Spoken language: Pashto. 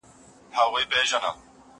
زه اوږده وخت مېوې راټولوم وم؟!